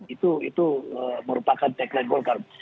itu merupakan tagline golkar